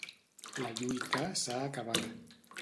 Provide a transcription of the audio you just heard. La lluita s'ha acabat.